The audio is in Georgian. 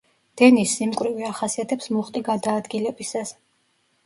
დენის სიმკვრივე ახასიათებს მუხტი გადაადგილებას.